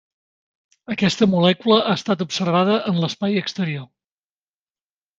Aquesta molècula ha estat observada en l'espai exterior.